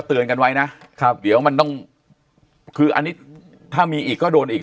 เตือนกันไว้นะครับเดี๋ยวมันต้องคืออันนี้ถ้ามีอีกก็โดนอีก